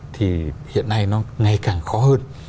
thì hiện nay nó ngày càng khó hơn